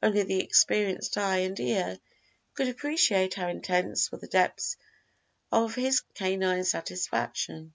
Only the experienced eye and ear could appreciate how intense were the depths of his canine satisfaction.